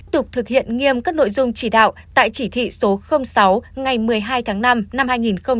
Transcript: tục thực hiện nghiêm các nội dung chỉ đạo tại chỉ thị số sáu ngày một mươi hai tháng năm năm hai nghìn một mươi chín